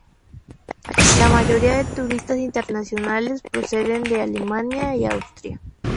La mayoría de turistas internacionales proceden de Alemania y Austria.